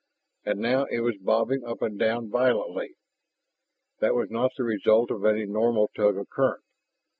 And now it was bobbing up and down violently. That was not the result of any normal tug of current.